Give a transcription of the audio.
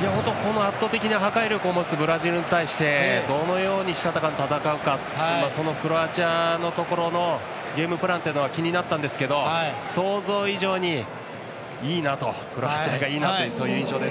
圧倒的な破壊力を持つブラジルに対してどのように、したたかに戦うかそのクロアチアのところのゲームプランというのは気になったんですけど想像以上に、いいなとクロアチアがいいなというそういう印象です。